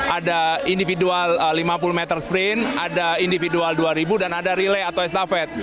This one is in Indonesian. ada individual lima puluh meter sprint ada individual dua ribu dan ada relay atau estafet